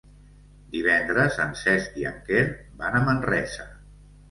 Divendres en Cesc i en Quer van a Manresa.